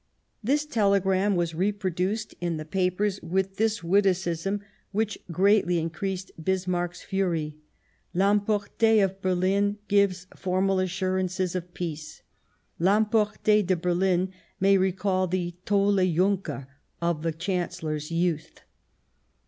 ^ This telegram was reproduced in the papers with this witticism, which greatly in creased Bismarck's fury :" L'Emporte of Berlin gives formal assurances of peace," " L'Emporte de Berlin " may recall the tolle Junker oi the Chancellor's youth.